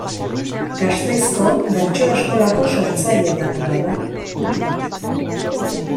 Gasteizko Bertso Eskolako sortzaileetako bat da.